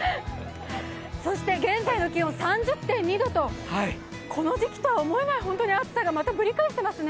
そして現在の気温、３０．２度と、この時期とは思えない暑さが本当にぶり返していますね。